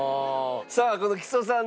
さあこの木曽さんね